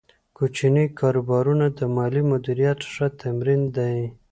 کوچني کاروبارونه د مالي مدیریت ښه تمرین دی۔